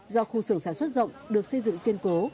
do khu xưởng sản xuất rộng được xây dựng kiên cố